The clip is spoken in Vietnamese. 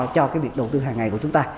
cho cái việc đầu tư hàng ngày của chúng ta